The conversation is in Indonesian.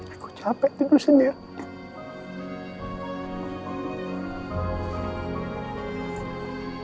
aku capek tidur sendirian